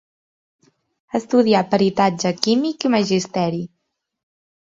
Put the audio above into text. Estudià peritatge químic i magisteri.